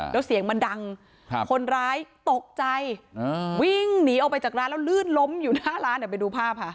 แล้วเสียงมันดังคนร้ายตกใจวิ่งหนีออกไปจากร้านแล้วลื่นล้มอยู่หน้าร้านเดี๋ยวไปดูภาพค่ะ